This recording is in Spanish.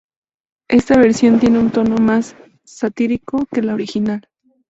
Esta versión tiene un tono más satírico que la original.